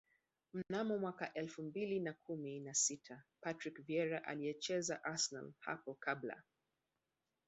Mnamo mwaka elfu mbili na kumi na sita Patrick Vieira aliyeichezea Arsenal hapo kabla